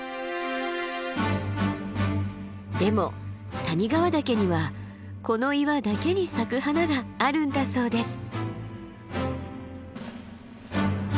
でも谷川岳にはこの岩だけに咲く花があるんだそうです。